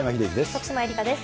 徳島えりかです。